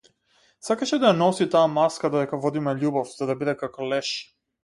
Сакаше да ја носи таа маска додека водиме љубов, за да биде како леш.